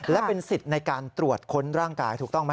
และเป็นสิทธิ์ในการตรวจค้นร่างกายถูกต้องไหม